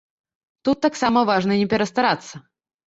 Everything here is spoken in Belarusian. Тут таксама важна не перастарацца.